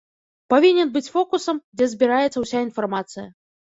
Павінен быць фокусам, дзе збіраецца ўся інфармацыя.